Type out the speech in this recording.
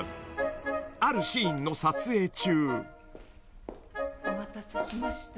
［あるシーンの撮影中］